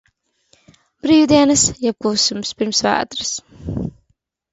Brīvdienas jeb klusums pirms vētras.